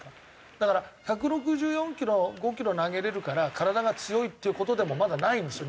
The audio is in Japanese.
だから１６４キロ１６５キロ投げられるから体が強いっていう事でもまだないんですよ